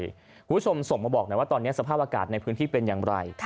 คุณผู้ชมส่งมาบอกหน่อยว่าตอนนี้สภาพอากาศในพื้นที่เป็นอย่างไร